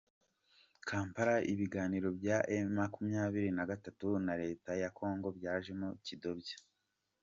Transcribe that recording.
Kampala Ibiganiro bya emu makumyabiri nagatatu na Leta ya kongo byajemo kidobya